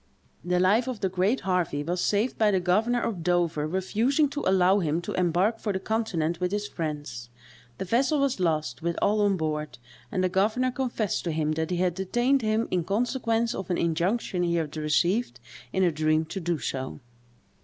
The life of the great Harvey was saved by the governor of Dover refusing to allow him to embark for the continent with his friends. The vessel was lost, with all on board; and the governor confessed to him, that he had detained him in consequence of an injunction he had received in a dream to do so.